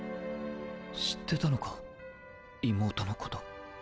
知ってたのか妹のこと。